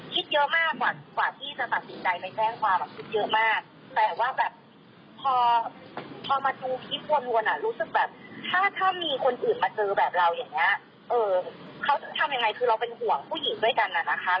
คือเราเป็นห่วงผู้หญิงด้วยกันอ่ะนะคะ